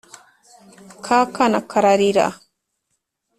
Ka kana kararira